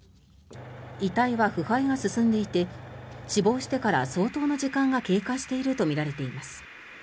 遺体は腐敗が進んでいて死亡してから相当の時間が経過しているとみられています。